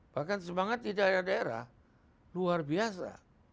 bahkan semangat di daerah daerah luar biasa